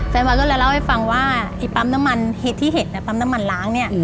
แฟนบอลก็เลยเล่าให้ฟังว่าไอ้ปั๊มน้ำมันเหตุที่เห็นปั๊มน้ำมันล้างเนี่ย